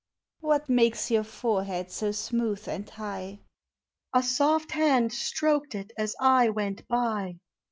What makes your forehead so smooth and high? A soft hand stroked it as I went by.